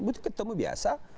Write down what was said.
butuh ketemu biasa